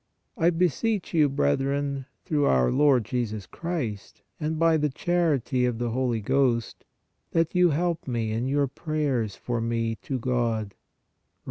" I beseech you, brethren, through our Lord Jesus Christ and by the charity of the Holy Ghost, that you help me in your prayers for me to God" (Rom.